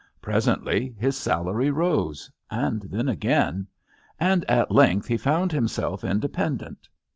Pres ently his salary rose. And then again. And at length he found himself independent.